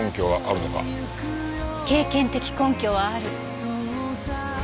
経験的根拠はある。